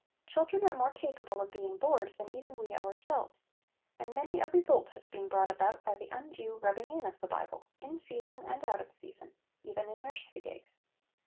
Children are more capable of being bored than even we ourselves, and many a revolt has been brought about by the undue rubbing in of the Bible, in season and out of season, even in nursery days.